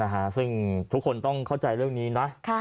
นะฮะซึ่งทุกคนต้องเข้าใจเรื่องนี้นะ